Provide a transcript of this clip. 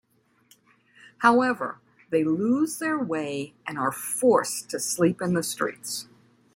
However, they lose their way and are forced to sleep in the streets.